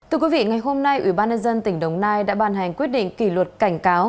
thưa quý vị ngày hôm nay ủy ban nhân dân tỉnh đồng nai đã ban hành quyết định kỷ luật cảnh cáo